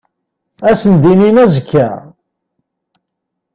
Ad sen-d-inin azekka.